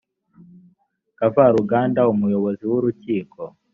kavaruganda umuyobozi w urukiko